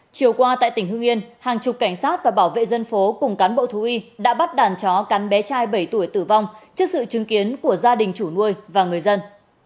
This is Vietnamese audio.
chiều qua tại tỉnh hương yên hàng chục cảnh sát và bảo vệ dân phố cùng cán bộ thú y đã bắt đàn chó cắn bé trai bảy tuổi tử vong trước sự chứng kiến của gia đình chủ nuôi và người dân